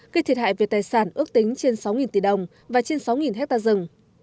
gây thiệt hại về tài sản ước tính trên sáu tỷ đồng và trên sáu hectare rừng